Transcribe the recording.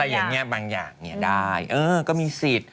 อะไรอย่างนี้บางอย่างนี้ได้เออก็มีสิทธิ์